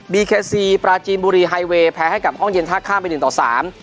เคซีปราจีนบุรีไฮเวย์แพ้ให้กับห้องเย็นท่าข้ามไปหนึ่งต่อสาม